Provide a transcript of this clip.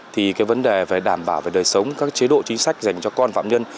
thì cái vấn đề về đảm bảo về đời sống các chế độ chính sách dành cho con phạm nhân